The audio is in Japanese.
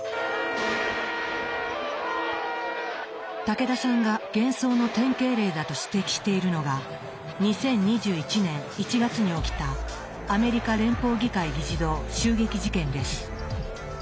武田さんが幻想の典型例だと指摘しているのが２０２１年１月に起きたアメリカ連邦議会議事堂襲撃事件です。